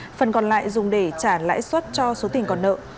phần còn lại dùng để trả lãi suất cho số tiền còn nợ